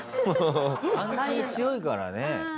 パンチ強いからね。